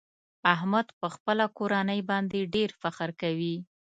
احمد په خپله کورنۍ باندې ډېر فخر کوي.